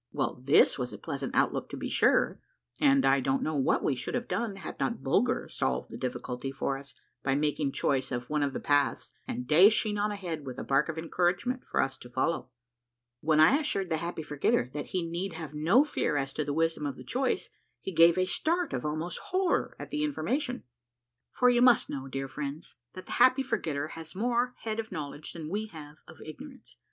Well, this was a pleasant outlook to be sure, and, I don't know what we should have done had not Bulger solved the difficulty for us by making choice of one of the paths and dashing on ahead with a bark of encouragement for us to follow. When I assured the Happy Forgetter that he need have no fear as to the wisdom of the choice, he gave a start of almost CAUGHT UP IN THE AKMS OK THE TOHRENT, A MARVELLOUS UNDERGROUND JOURNEY 227 horror at the information ; for you must know, dear friends, that the Happy Forgetter has more (h ead of knowledge than we have of ignorance.